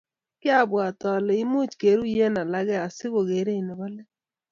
Kiabwaat ole imuch kiruiywech alake asi kokerech nebo let.